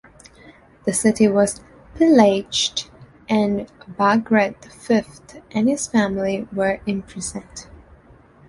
The city was pillaged and Bagrat the Fifth and his family were imprisoned.